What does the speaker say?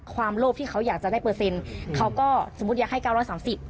ความโลภที่เขาอยากจะได้เปอร์เซ็นต์เขาก็สมมติอยากให้๙๓๐